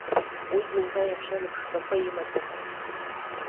Уи зынӡа иаҳәшьа лыԥшрақәа имаӡамызт.